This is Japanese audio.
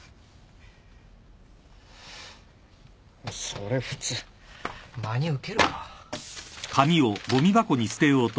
それ普通真に受けるか？